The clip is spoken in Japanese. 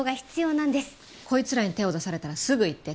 こいつらに手を出されたらすぐ言って。